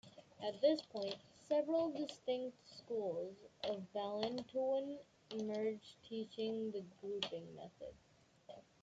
At this point, several distinct schools of Balintawak emerged teaching the "grouping method".